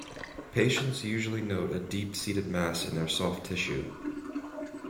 Patients usually note a deep seated mass in their soft tissue.